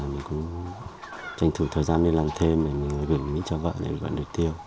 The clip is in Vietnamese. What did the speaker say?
mình cũng tranh thủ thời gian đi làm thêm để mình gửi cho vợ để vợ được tiêu